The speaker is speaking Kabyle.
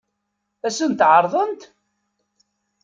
Ad sent-t-ɛeṛḍent?